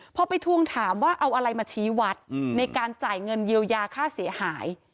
พอไปทวงถามว่าเอาอะไรมาชี้วัดในการจ่ายเงินเยียวยาค่าเสียหาย